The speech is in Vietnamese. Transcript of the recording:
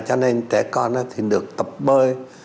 cho nên trẻ con thì được tập bơi